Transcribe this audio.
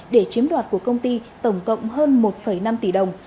để chiếm đoạt của công ty tổng cộng hơn một năm tỷ đồng